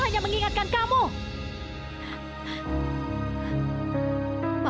ya bagus ada apa